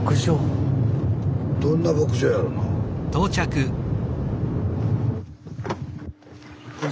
どんな牧場やろなあ。